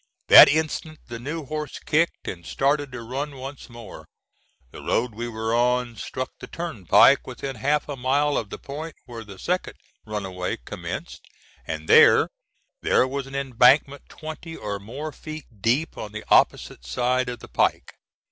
That instant the new horse kicked, and started to run once more. The road we were on, struck the turnpike within half a mile of the point where the second runaway commenced, and there there was an embankment twenty or more feet deep on the opposite side of the pike.